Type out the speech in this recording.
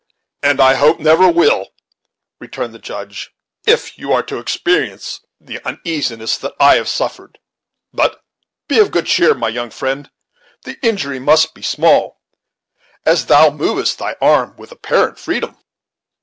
"And I hope never will," returned the Judge, "if you are to experience the uneasiness that I have suffered; but be of good cheer, my young friend, the injury must be small, as thou movest thy arm with apparent freedom.